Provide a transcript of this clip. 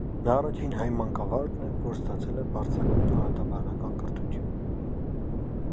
Նա առաջին հայ մանկավարժն է, որը ստացել է բարձրագույն արատաբանական կրթություն։